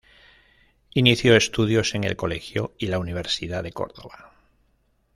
Inició estudios en el Colegio y la Universidad de Córdoba.